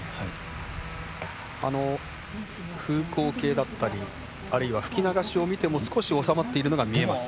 風向計だったりあるいは吹き流しを見ても少し収まっているのが見えます。